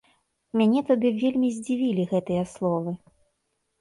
Мяне тады вельмі здзівілі гэтыя словы.